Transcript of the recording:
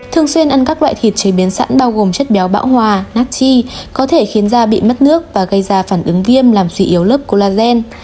thường xuyên ăn các loại thịt chế biến sẵn bao gồm chất béo bão hòa natty có thể khiến da bị mất nước và gây ra phản ứng viêm làm dị yếu lớp collagen